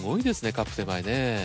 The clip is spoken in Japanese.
カップ手前ねぇ。